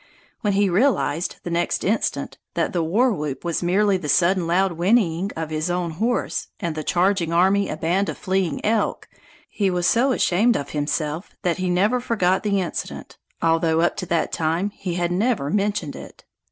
When he realized, the next instant, that the war whoop was merely the sudden loud whinnying of his own horse, and the charging army a band of fleeing elk, he was so ashamed of himself that he never forgot the incident, although up to that time he had never mentioned it.